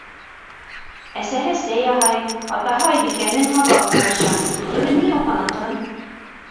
Әсәһе сәй яһай, атаһы Айбикәнең һабағын һораша: - Бөгөн ни уҡының, ҡыҙым?